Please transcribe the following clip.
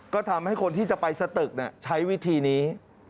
ก็ทำให้คนที่จะไปสตึกใช้วิธีนี้